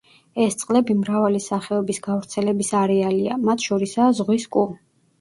ეს წყლები მრავალი სახეობის გავრცელების არეალია, მათ შორისაა ზღვის კუ.